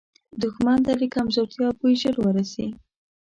دښمن ته د کمزورتیا بوی ژر وررسي